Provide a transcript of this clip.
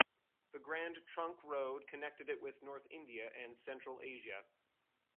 The Grand Trunk Road connected it with North India and Central Asia.